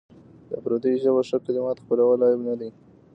د پردیو ژبو ښه کلمات خپلول عیب نه دی.